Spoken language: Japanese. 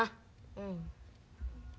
うん。